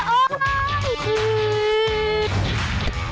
อ้าว